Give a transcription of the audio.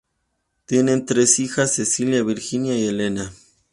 Tienen tres hijas: Cecilia, Virginia y Elena.